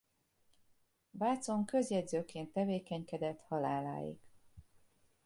Vácon közjegyzőként tevékenykedett haláláig.